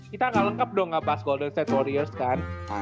kita gak lengkap dong gak bahas golden state warriors kan